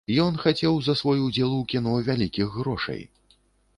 Ён хацеў за свой удзел у кіно вялікіх грошай.